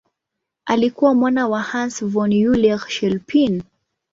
Alikuwa mwana wa Hans von Euler-Chelpin.